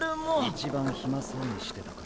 一番暇そうにしてたから。